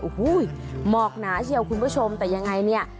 โอ้โหหมอกหนาเชียวคุณผู้ชมแต่ยังไงเนี่ย